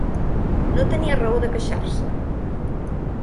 No tenia raó de queixar-se